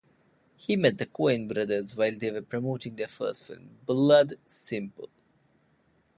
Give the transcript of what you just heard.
He met the Coen Brothers while they were promoting their first film, "Blood Simple".